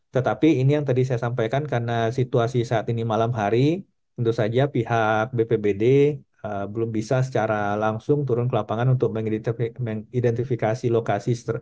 tetapi ini yang tadi saya sampaikan karena situasi saat ini malam hari tentu saja pihak bpbd belum bisa secara langsung turun ke lapangan untuk mengidentifikasi lokasi